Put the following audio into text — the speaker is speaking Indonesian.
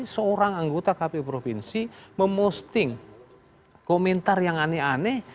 seorang anggota kpu provinsi memosting komentar yang aneh aneh